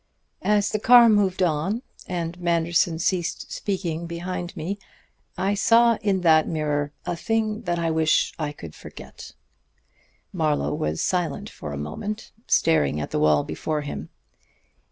As the car moved on, and Manderson ceased speaking behind me, I saw in that mirror a thing that I wish I could forget." Marlowe was silent for a moment, staring at the wall before him.